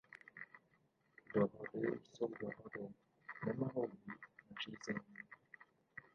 Dohody jsou dohody, nemohou být nařízeními.